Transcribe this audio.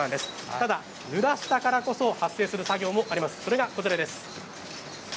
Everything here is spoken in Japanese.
ただぬらしたからこそ発生する作業もあります。